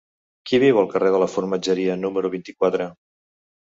Qui viu al carrer de la Formatgeria número vint-i-quatre?